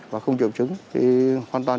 và không triệu chứng thì hoàn toàn